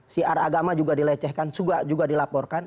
siar agama juga dilecehkan juga dilaporkan